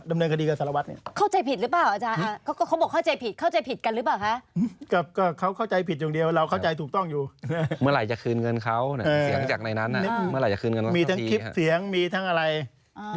ไม่รู้จะเปิดให้รึเปล่า